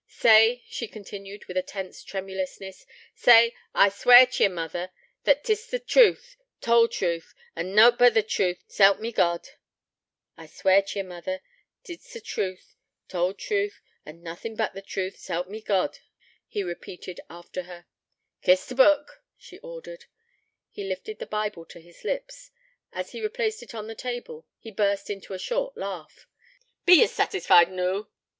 'Say,' she continued with a tense tremulousness, 'say, I swear t' ye, mother, that 't is t' truth, t' whole truth, and noat but t' truth, s'help me God.' 'I swear t' ye, mother, it's truth, t' whole truth, and nothin' but t' truth, s'help me God,' he repeated after her. 'Kiss t' Book,' she ordered. He lifted the Bible to his lips. As he replaced it on the table, he burst out into a short laugh: 'Be ye satisfied noo?'